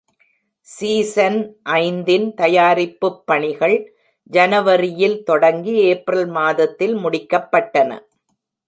Season ஐந்தின் தயாரிப்புப் பணிகள் ஜனவரியில் தொடங்கி ஏப்ரல் மாதத்தில் முடிக்கப்பட்டன.